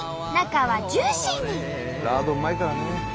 ラードうまいからね。